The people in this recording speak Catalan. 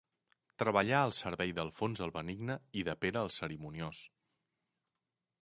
Treballà al servei d'Alfons el Benigne i de Pere el Cerimoniós.